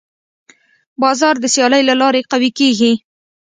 بازار د سیالۍ له لارې قوي کېږي.